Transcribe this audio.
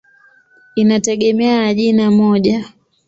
Inategemea ya jina moja.